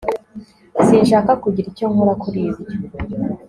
Sinshaka kugira icyo nkora kuri ibyo